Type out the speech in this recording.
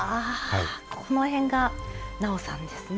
この辺が直さんですね。